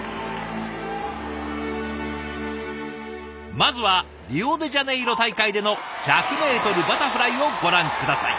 まずはリオデジャネイロ大会での１００メートルバタフライをご覧下さい。